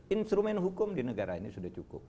instrumen hukum di negara ini sudah cukup